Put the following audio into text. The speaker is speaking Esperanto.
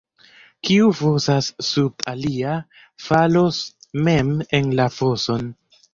Kiu fosas sub alia, falos mem en la foson.